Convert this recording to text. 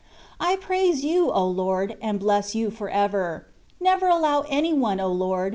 I praise You, O Lord, and bless You for ever. Never allow any one, O Lord